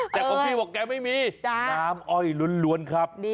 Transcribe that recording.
แต่ของพี่บอกแกไม่มีน้ำอ้อยล้วนครับ